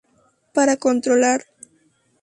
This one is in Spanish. Para controlar.